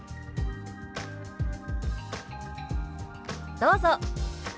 どうぞ。